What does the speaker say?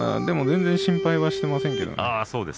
でも全然心配はしていません。